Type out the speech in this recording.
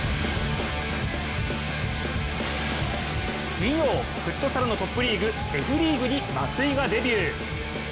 金曜フットサルのトップリーグＦリーグに松井がデビュー。